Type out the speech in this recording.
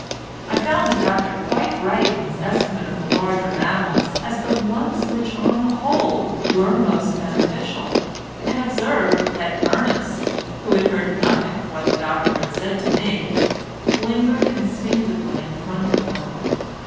I found the doctor quite right in his estimate of the larger mammals as the ones which on the whole were most beneficial, and observed that Ernest, who had heard nothing of what the doctor had said to me, lingered instinctively in front of them.